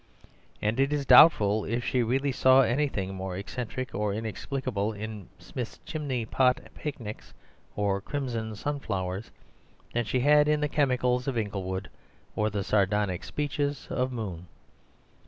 And it is doubtful if she really saw anything more eccentric or inexplicable in Smith's chimney pot picnics or crimson sunflowers than she had in the chemicals of Inglewood or the sardonic speeches of Moon.